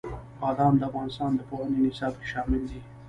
بادام د افغانستان د پوهنې نصاب کې شامل دي.